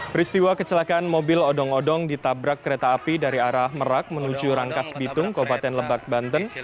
peristiwa kecelakaan mobil odong odong ditabrak kereta api dari arah merak menuju rangkas bitung kabupaten lebak banten